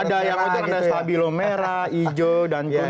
ada yang ada stabilo merah hijau dan kuning